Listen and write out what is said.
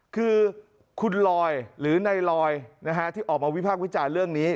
คือคุณลอยหรือในลอยที่ออกมาวิพากษ์วิจารณ์เรื่องนี้